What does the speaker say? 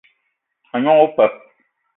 A gnong opeup